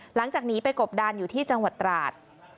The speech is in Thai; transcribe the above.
หลังจากหนีไปกบดานอยู่ที่จังหวัดตราด